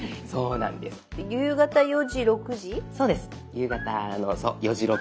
夕方の４時６時。